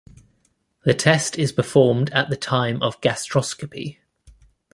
The test is performed at the time of gastroscopy.